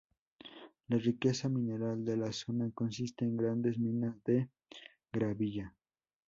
La riqueza mineral de la zona consiste en grandes minas de gravilla.